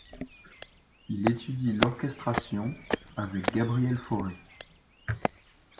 Il étudie l'orchestration avec Gabriel Fauré.